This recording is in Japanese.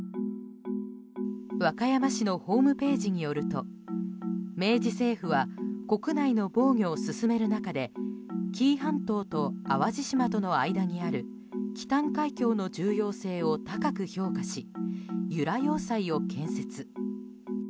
和歌山市のホームページによると明治政府は国内の防御を進める中で紀伊半島と淡路島との間にある紀淡海峡の重要性を高く評価し由良要塞を建設。